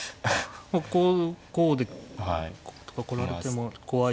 こうこうでこうとか来られても怖いです。